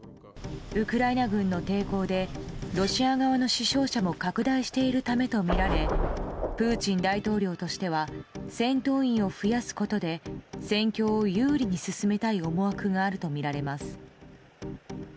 ウクライナ軍の抵抗でロシア側の死傷者も拡大しているためとみられプーチン大統領としては戦闘員を増やすことで戦況を有利に進めたい思惑があるとみられます。